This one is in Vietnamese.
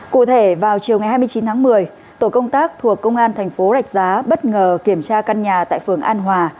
cụ thể vào chiều ngày hai mươi chín tháng một mươi tổ công tác thuộc công an thành phố rạch giá bất ngờ kiểm tra căn nhà tại phường an hòa